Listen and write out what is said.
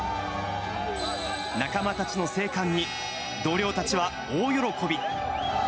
仲間たちの生還に、同僚たちは大喜び。